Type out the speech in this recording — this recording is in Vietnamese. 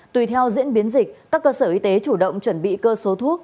tùy theo diễn biến dịch các cơ sở y tế chủ động chuẩn bị cơ số thuốc